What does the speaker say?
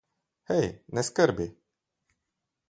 Hej, ne skrbi.